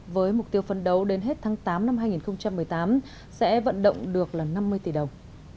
với mục tiêu phấn đấu đến hết tháng tám năm hai nghìn một mươi tám sẽ vận động được là năm mươi tỷ đồng